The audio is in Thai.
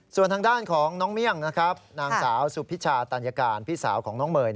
ส่วนทางด้านของน้องเมี่ยงนะครับนางสาวสุพิชาตัญการพี่สาวของน้องเมย